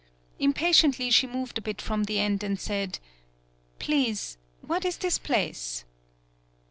Impatiently she moved a bit from the end and said : "Please, what is this place?"